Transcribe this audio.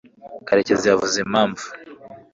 karekezi yavuze impamvu